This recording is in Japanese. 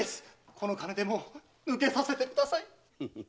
この金でもう抜けさせてください。